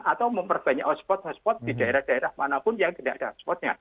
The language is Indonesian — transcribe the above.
atau memperbanyak hotspot hotspot di daerah daerah manapun yang tidak ada hotspotnya